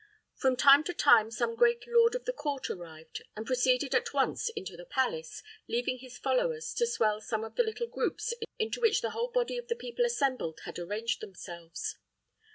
From time to time some great lord of the court arrived, and proceeded at once into the palace, leaving his followers to swell some of the little groups into which the whole body of the people assembled had arranged themselves.